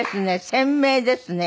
鮮明ですね。